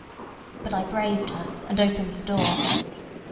But I braved her, and opened the door.